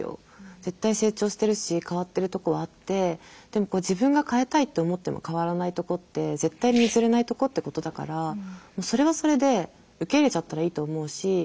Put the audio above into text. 絶対成長してるし変わってるとこはあってでも自分が変えたいって思っても変わらないとこって絶対に譲れないとこってことだからもうそれはそれで受け入れちゃったらいいと思うし。